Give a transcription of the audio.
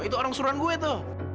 itu orang suruhan gue tuh